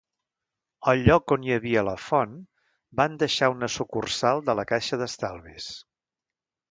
Al lloc on hi havia la font, van deixar una sucursal de La Caixa d'Estalvis.